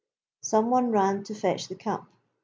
Some one ran to fetch the cup.